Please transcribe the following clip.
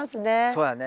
そうやね。